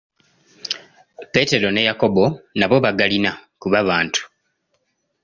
Petro ne Yakobo nabo bagalina, kuba bantu.